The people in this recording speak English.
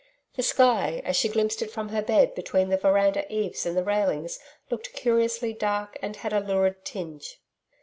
The sky, as she glimpsed it from her bed between the veranda eaves and the railings, looked curiously dark and had a lurid tinge.